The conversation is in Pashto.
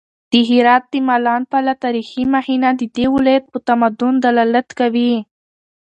د هرات د مالان پله تاریخي مخینه د دې ولایت په تمدن دلالت کوي.